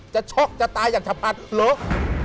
ช็อกจะตายอย่างฉะปัดเหรอ